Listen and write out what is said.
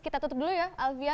kita tutup dulu ya alvia